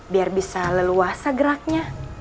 biar bisa leluasa geraknya